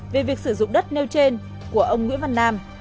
về việc sử dụng đất nêu trên của ông nguyễn văn nam